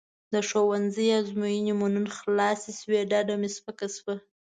د ښوونځي ازموینې مو نن خلاصې شوې ډډه مې سپکه شوه.